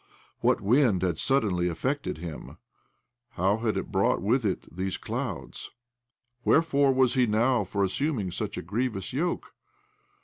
What wind had suddenly affected him ? How had it brought with it these cloud's ? Where fore was he now for assuming such a grievous yoke?